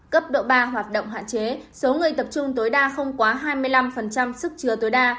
cấp độ ba hoạt động hạn chế số người tập trung tối đa không quá hai mươi năm sức chứa tối đa